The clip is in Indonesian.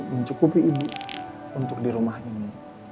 mencukupi ibu untuk di rumah ini